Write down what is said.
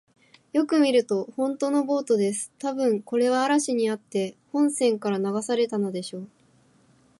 よく見ると、ほんとのボートです。たぶん、これは嵐にあって本船から流されたのでしょう。